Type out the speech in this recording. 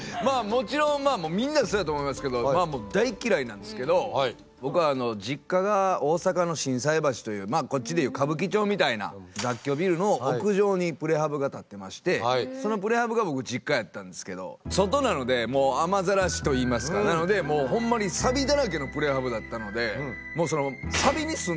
もちろんみんなそうやと思いますけど大嫌いなんですけど僕あの実家が大阪の心斎橋というこっちで言う歌舞伎町みたいな雑居ビルの屋上にプレハブが建ってましてそのプレハブが僕実家やったんですけど外なので雨ざらしといいますかなのでもうほんまにサビの中に。